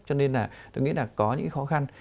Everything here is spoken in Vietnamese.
cho nên là tôi nghĩ là có những khó khăn